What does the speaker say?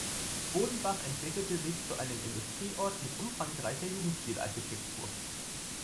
Bodenbach entwickelte sich zu einem Industrieort mit umfangreicher Jugendstilarchitektur.